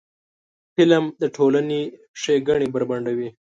فلم د ټولنې ښېګڼې بربنډوي